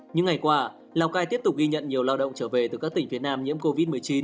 những ngày qua lào cai tiếp tục ghi nhận nhiều lao động trở về từ các tỉnh phía nam nhiễm covid một mươi chín